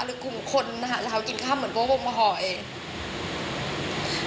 หรือกลุ่มคนหาเถอะกินข้าวเหมือนพวกโฮมพอร์เอง